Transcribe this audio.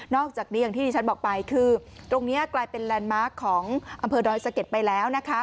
อกจากนี้อย่างที่ที่ฉันบอกไปคือตรงนี้กลายเป็นแลนด์มาร์คของอำเภอดอยสะเก็ดไปแล้วนะคะ